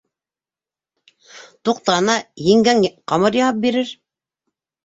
— Туҡта, ана, еңгәң ҡамыр яһап бирер.